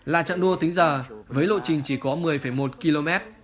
là trận đua tính giờ với lộ trình chỉ có một mươi một km